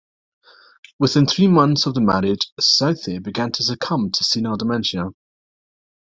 Within three months of the marriage, Southey began to succumb to senile dementia.